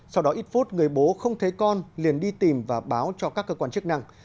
sau đó ít phút người bố không thấy con liền đi tìm và báo cho các cơ quan chức năng